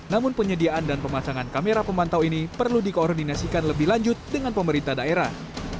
namun penyediaan dan pemasangan kamera pemantau ini perlu dikoordinasikan lebih lanjut dengan pemerintah daerah